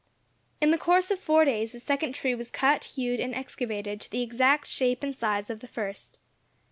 In the course of four days the second tree was cut, hewed, and excavated to the exact shape and size of the first.